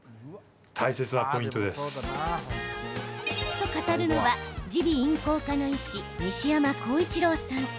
と語るのは、耳鼻咽喉科の医師西山耕一郎さん。